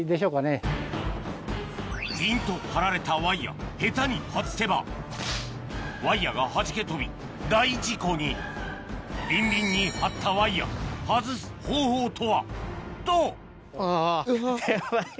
ピンと張られたワイヤ下手に外せばワイヤがはじけ飛び大事故にビンビンに張ったワイヤと！